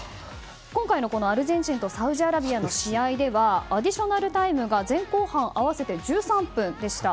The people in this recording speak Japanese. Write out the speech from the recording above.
今回のアルゼンチンとサウジアラビアの試合ではアディショナルタイムが前後半合わせて１３分でした。